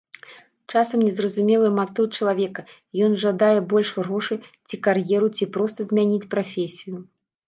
Часам незразумелы матыў чалавека, ён жадае больш грошай, ці кар'еру, ці проста змяніць прафесію.